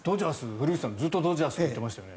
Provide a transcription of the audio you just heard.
古内さんはずっとドジャースと言っていましたよね。